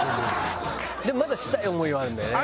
でもまだしたい思いはあるんだよね。